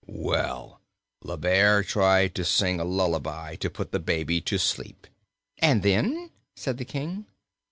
"Well, the bear tried to sing a lullaby to put the baby to sleep." "And then?" said the King.